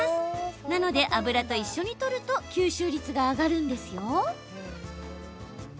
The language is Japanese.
なので、油と一緒にとると吸収率が上がるんですよ。